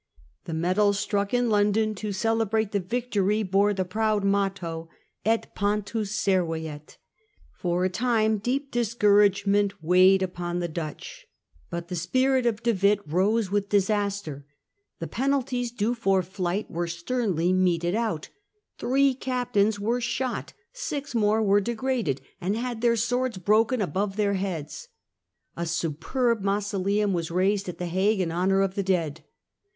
The medal struck in London to celebrate the victory bore the proud motto, 1 Et pontus semet.' For a time deep discouragement weighed upon the Dutch ; but the spirit of De Witt rose with disaster. The Measures of penalties due for flight were sternly meted De Witt. out. Three captains were shot, six more were degraded and had their swords broken above their heads. A superb mausoleum was raised at the Hague in honour of the dead.